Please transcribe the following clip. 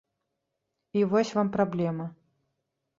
І вось вам праблема.